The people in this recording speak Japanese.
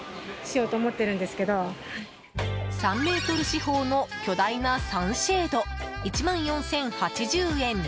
３ｍ四方の巨大なサンシェード１万４０８０円。